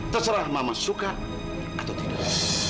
terserah mama suka atau tidak